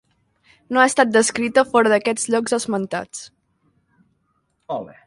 No ha estat descrita fora d'aquests llocs esmentats.